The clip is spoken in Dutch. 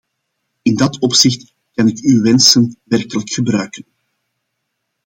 In dat opzicht kan ik uw wensen werkelijk gebruiken.